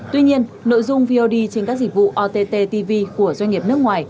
tuy nhiên nội dung vod trên các dịch vụ ott tv của doanh nghiệp nước ngoài